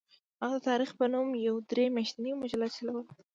هغه د تاریخ په نوم یوه درې میاشتنۍ مجله چلوله.